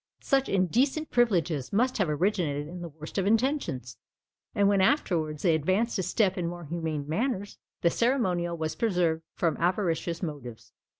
Such indecent privileges must have originated in the worst of intentions; and when afterwards they advanced a step in more humane manners, the ceremonial was preserved from avaricious motives.